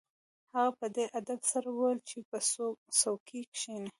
هغه په ډیر ادب سره وویل چې په څوکۍ کښیني